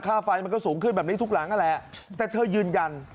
ค่าไฟมันก็สูงขึ้นแบบนี้ทุกหลานก็แลแต่เธอยืนยัน